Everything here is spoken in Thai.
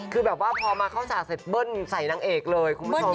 คือแบบว่าพอมาเข้าฉากเสร็จเบิ้ลใส่นางเอกเลยคุณผู้ชม